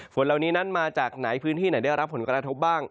ฝนเหล่านี้นั้นมาจากไหนพื้นที่ไหนได้รับผลกระทบบ้าง